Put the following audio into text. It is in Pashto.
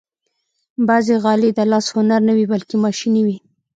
بعضې غالۍ د لاس هنر نه وي، بلکې ماشيني وي.